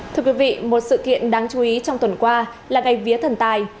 thưa quý vị một sự kiện đáng chú ý trong tuần qua là ngày vía thần tài